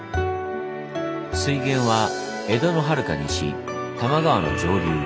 水源は江戸のはるか西多摩川の上流。